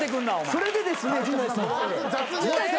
それでですね。